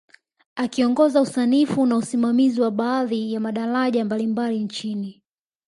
Akiongoza usanifu na usimamizi wa baadhi ya madaraja mbalimbali nchini